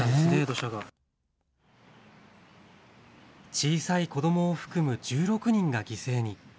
小さい子どもを含む１６人が犠牲に。